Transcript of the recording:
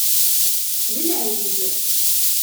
D lɛib.